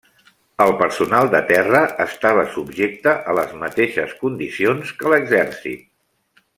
El personal de terra estava subjecte a les mateixes condicions que l'Exèrcit.